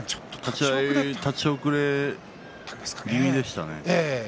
立ち合い立ち遅れ気味でしたね。